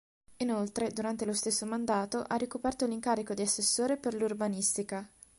Inoltre, durante lo stesso mandato, ha ricoperto l’incarico di assessore per l’Urbanistica.